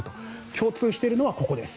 共通しているのはここです。